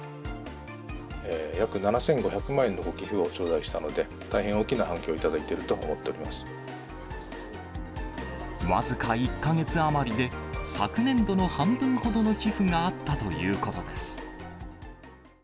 約７５００万円のご寄付を頂戴したので、大変大きな反響をい僅か１か月余りで、昨年度の半分ほどの寄付があったということです。